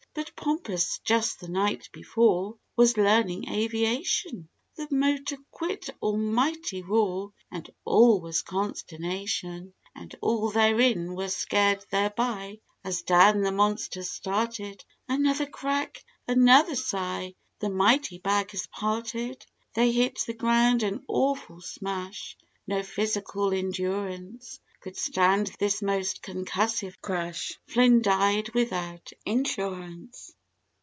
147 But "Pompous," just the night before, was learning aviation; The motor quit! Almighty roar! And all was consternation; And all therein were scared thereby, as down the monster started— Another crack! Another sigh! The mighty bag has parted! They hit the ground an awful smash! No physical endurance Could stand this most concussive crash—Flynn died without insurance.